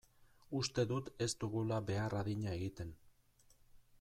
Uste dut ez dugula behar adina egiten.